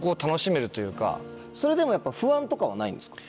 それでもやっぱ不安とかはないんですか？